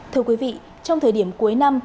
thưa quý vị trong thời điểm cuối năm